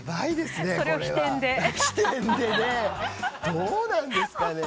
どうなんですかね。